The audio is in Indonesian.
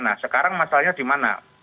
nah sekarang masalahnya di mana